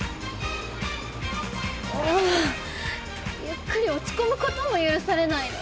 ゆっくり落ち込むことも許されないの？